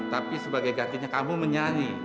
tapi sebagai gantinya kamu menyanyi